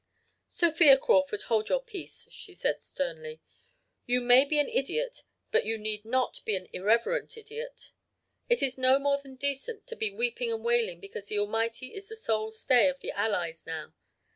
"'Sophia Crawford, hold your peace!' she said sternly. 'You may be an idiot but you need not be an irreverent idiot. It is no more than decent to be weeping and wailing because the Almighty is the sole stay of the Allies now.